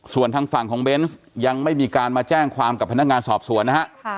ส่วนทางฝั่งของเบนส์ยังไม่มีการมาแจ้งความกับพนักงานสอบสวนนะฮะ